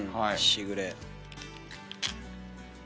しぐれ。